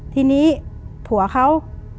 ทีนี้ผัวเขา